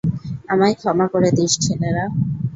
আমায় ক্ষমা করে দিস, ছেলেরা।